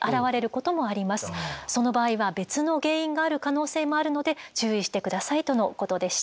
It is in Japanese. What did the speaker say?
その場合は別の原因がある可能性もあるので注意して下さいとのことでした。